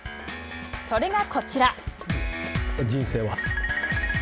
それがこちら。